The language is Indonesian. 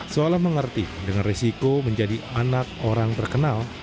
seolah mengerti dengan resiko menjadi anak orang terkenal